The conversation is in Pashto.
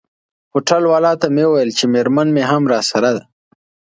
هوټل والاو ته مې وویل چي میرمن مي هم راسره ده.